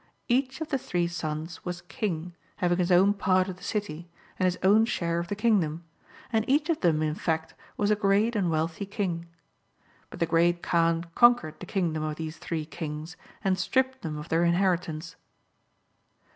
Each of the three sons was King, having his own part of the city, and his own share of the kingdom, and each of them in fact was a great and wealthy King. But the Great Kaan conquered the king dom of these three Kings, and stripped them of their inheritance.'